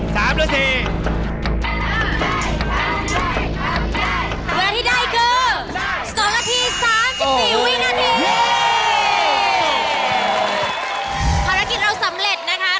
ภารกิจเราสำเร็จนะคะ